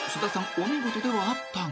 お見事ではあったが］